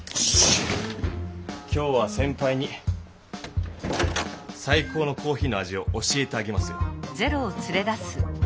今日はせんぱいにさい高のコーヒーの味を教えてあげますよ。